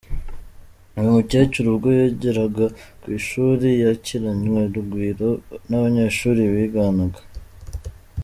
Uyu mukecuru ubwo yageraga ku ishuri yakiranyweurugwiro n’abanyeshuri biganaga.